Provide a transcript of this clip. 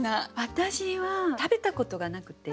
私は食べたことがなくて。